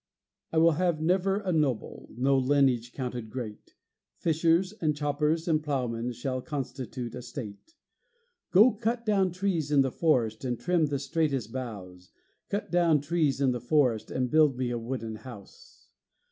I will have never a noble, No lineage counted great; Fishers and choppers and ploughmen Shall constitute a state. Go, cut down trees in the forest And trim the straightest boughs; Cut down trees in the forest And build me a wooden house.